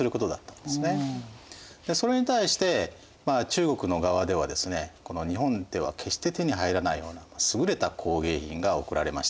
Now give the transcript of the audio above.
それに対して中国の側ではですね日本では決して手に入らないような優れた工芸品が贈られました。